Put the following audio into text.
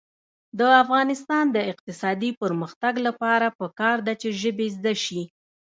د افغانستان د اقتصادي پرمختګ لپاره پکار ده چې ژبې زده شي.